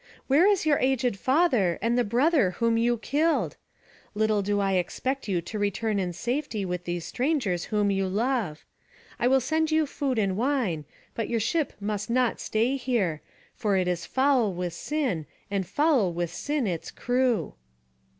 Where is your aged father, and the brother whom you killed? Little do I expect you to return in safety with these strangers whom you love. I will send you food and wine: but your ship must not stay here, for it is foul with sin, and foul with sin its crew."